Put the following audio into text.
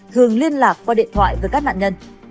thường liên lạc qua điện thoại với các nạn nhân